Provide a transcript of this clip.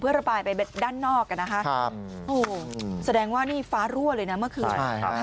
ระบายไปด้านนอกนะคะโอ้โหแสดงว่านี่ฟ้ารั่วเลยนะเมื่อคืน